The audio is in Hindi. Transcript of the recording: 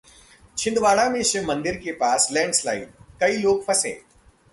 छिंदवाड़ा में शिव मंदिर के पास लैंडस्लाइड, कई लोग फंसे